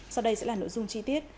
sau đây sẽ là nội dung chi tiết